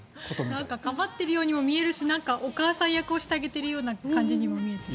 なんか構っているようにも見えるしお母さん役をしてあげているような感じにも見えて。